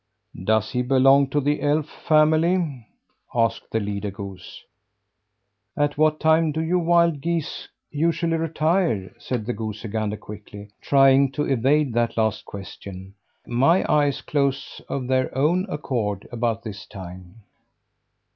"Does he belong to the elf family?" asked the leader goose. "At what time do you wild geese usually retire?" said the goosey gander quickly trying to evade that last question. "My eyes close of their own accord about this time."